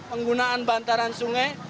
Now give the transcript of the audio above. penggunaan bantaran sungai